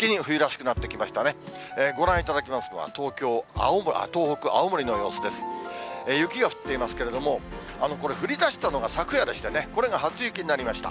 雪が降っていますけれども、これ、降りだしたのが昨夜でしてね、これが初雪になりました。